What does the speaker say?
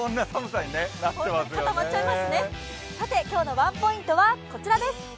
さて今日のワンポイントは、こちらです。